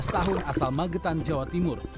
tujuh belas tahun asal magetan jawa timur